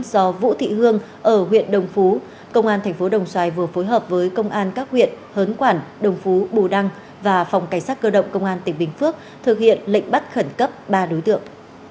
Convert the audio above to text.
do vũ thị hương ở huyện đồng phú công an thành phố đồng xoài vừa phối hợp với công an các huyện hớn quản đồng phú bù đăng và phòng cảnh sát cơ động công an tỉnh bình phước thực hiện lệnh bắt khẩn cấp ba đối tượng